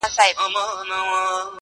ګټه نسي کړلای دا دي بهانه ده,